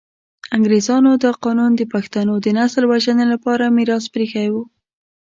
انګریزانو دا قانون د پښتنو د نسل وژنې لپاره میراث پرې ایښی وو.